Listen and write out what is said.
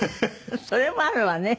それもあるわね。